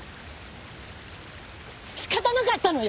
仕方なかったのよ！